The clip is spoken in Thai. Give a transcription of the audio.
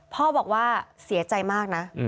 พ่อบอกว่าเสียใจมากนะ